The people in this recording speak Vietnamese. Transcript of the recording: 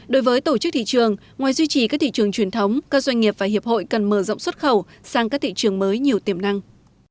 đối với tổ chức thị trường ngoài duy trì các thị trường truyền thống các doanh nghiệp và hiệp hội cần mở rộng xuất khẩu sang các thị trường mới nhiều tiềm năng